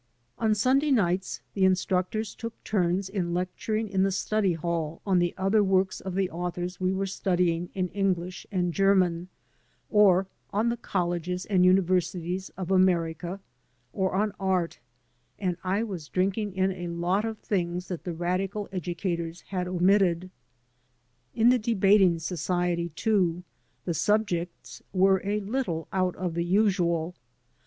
On Sunday nights the instructors took turns in lecturing in the study hall on the other works of the authors we were studying in English and German, or on the colleges and universities of America, or on art, and I was drinking in a lot of things that the radical educators had omitted. In the debating society, too, the subjects were a little out of the usual.